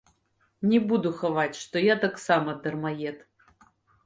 Не буду хаваць, што я таксама дармаед.